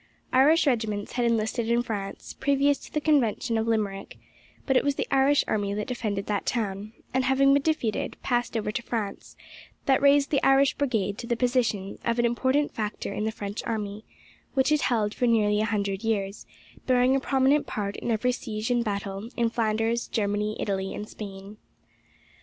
Irish regiments had enlisted in France, previous to the Convention of Limerick; but it was the Irish army that defended that town, and, having been defeated, passed over to France, that raised the Irish Brigade to the position of an important factor in the French army, which it held for nearly a hundred years, bearing a prominent part in every siege and battle in Flanders, Germany, Italy, and Spain.